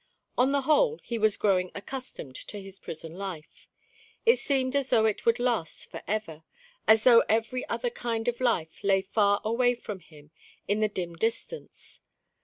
On the whole, he was growing accustomed to his prison life. It seemed as though it would last for ever; as though every other kind of life lay far away from him in the dim distance.